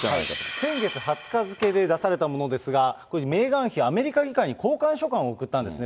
先月２０日付で出されたものですが、メーガン妃、アメリカ議会に公開書簡を送ったんですね。